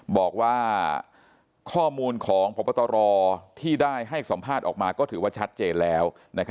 บอกว่าข้อมูลของพบตรที่ได้ให้สัมภาษณ์ออกมาก็ถือว่าชัดเจนแล้ว